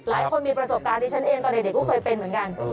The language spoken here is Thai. หลายคนมีประสบการณ์ที่ฉันเองตอนเด็กก็เคยเป็นเหมือนกัน